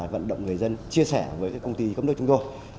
vận động người dân chia sẻ với công ty cấp nước chúng tôi